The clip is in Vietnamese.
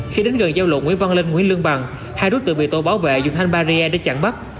khi đến gần giao lộ nguyễn văn linh nguyễn lương bằng hai đối tượng bị tổ bảo vệ dùng thanh barrier để chặn bắt